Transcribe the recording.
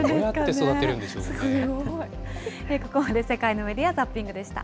ここまで世界のメディア・ザッピングでした。